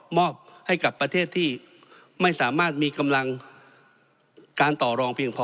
มอบให้กับประเทศที่ไม่สามารถมีกำลังการต่อรองเพียงพอ